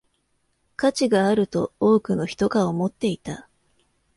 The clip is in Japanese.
価値があると多くの人が思っていた